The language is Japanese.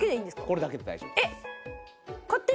これだけで大丈夫です。